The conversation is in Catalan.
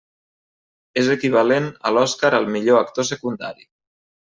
És equivalent a l'Oscar al millor actor secundari.